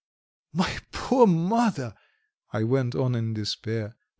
... My poor mother!" I went on in despair.